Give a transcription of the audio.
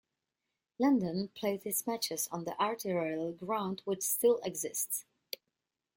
London played its matches on the Artillery Ground, which still exists.